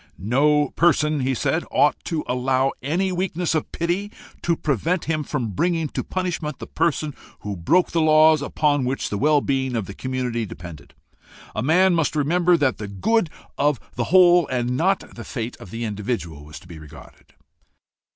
No person, he said, ought to allow any weakness of pity to prevent him from bringing to punishment the person who broke the laws upon which the well being of the community depended. A man must remember that the good of the whole, and not the fate of the individual, was to be regarded.